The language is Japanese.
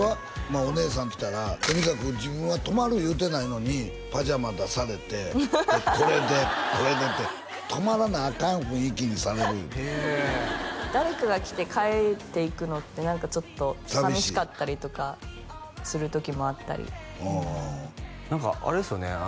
お姉さん来たらとにかく自分は泊まる言うてないのにパジャマ出されてこれでこれでって泊まらなアカン雰囲気にされるいうて誰かが来て帰っていくのってちょっと寂しかったりとかする時もあったり何かあれですよね